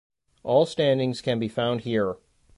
All standings can be found here.